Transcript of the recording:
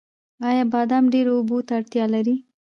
آیا بادام ډیرو اوبو ته اړتیا لري؟